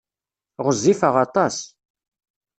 Ɣezzifeɣ aṭas.